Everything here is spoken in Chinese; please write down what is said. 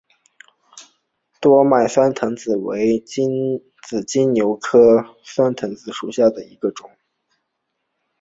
多脉酸藤子为紫金牛科酸藤子属下的一个种。